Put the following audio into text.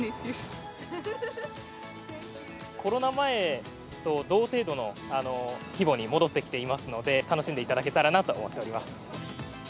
コロナ前と同程度の規模に戻ってきていますので、楽しんでいただけたらなと思っております。